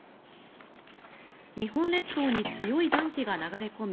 日本列島に強い暖気が流れ込み